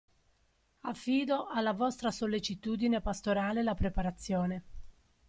Affido alla vostra sollecitudine pastorale la preparazione.